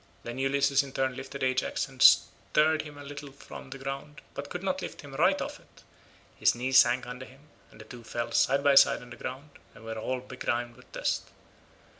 Then Ulysses in turn lifted Ajax and stirred him a little from the ground but could not lift him right off it, his knee sank under him, and the two fell side by side on the ground and were all begrimed with dust.